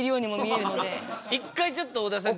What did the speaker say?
一回ちょっと小田さん